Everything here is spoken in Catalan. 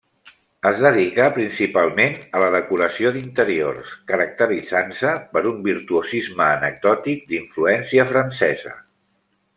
Es dedicà principalment a la decoració d'interiors, caracteritzant-se per un virtuosisme anecdòtic d'influència francesa.